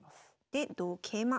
で同桂馬。